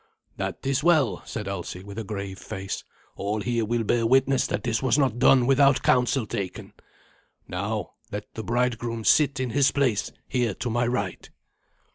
"That is well," said Alsi, with a grave face. "All here will bear witness that this was not done without counsel taken. Now, let the bridegroom sit in his place here to my right."